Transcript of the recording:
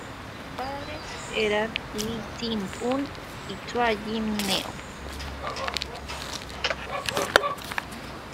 Sus padres eran Lee Chin Koon y Chua Jim Neo.